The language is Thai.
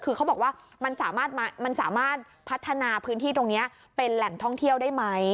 คือเขาบอกว่ามันสามารถพัฒนาพื้นที่ตรงนี้เป็นแหล่งท่องเที่ยวได้ไหม